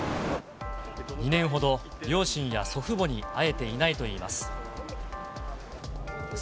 ２年ほど、両親や祖父母に会えていないといいます。